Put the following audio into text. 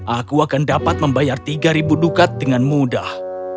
aku akan dapat membayar tiga dukat dengan mudah